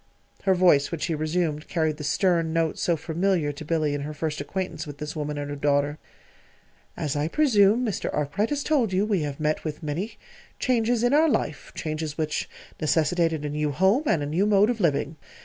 Her voice, when she resumed, carried the stern note so familiar to Billy in her first acquaintance with this woman and her daughter. "As I presume Mr. Arkwright has told you, we have met with many changes in our life changes which necessitated a new home and a new mode of living.